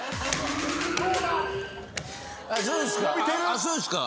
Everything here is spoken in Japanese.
あっそうですか？